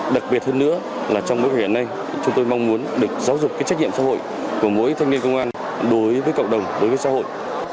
đặc biệt hơn nữa là trong mỗi ngày này chúng tôi mong muốn được giáo dục trách nhiệm xã hội của mỗi thanh niên công an đối với cộng đồng đối với xã hội